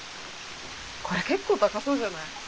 これ結構高そうじゃない？